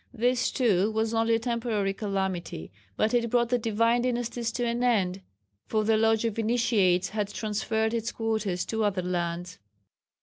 This too, was only a temporary calamity, but it brought the Divine Dynasties to an end, for the Lodge of Initiates had transferred its quarters to other lands.